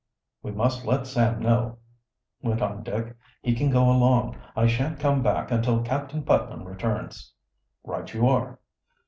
"We must let Sam know," went on Dick. "He can go along. I shan't come back until Captain Putnam returns." "Right you are."